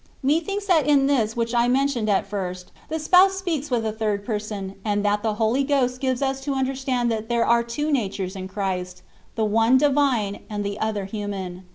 Methinks that in this which I mentioned at first, the Spouse speaks with a third person, and that the Holy Ghost gives us to understand there are two natures in Christ, the one divine, and the other human.